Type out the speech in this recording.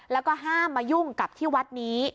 แล้วก็ห้ามมายุ่งกับที่วัดนี้